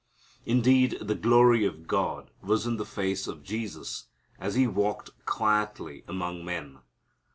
Indeed, the glory of God was in the face of Jesus as He walked quietly among men.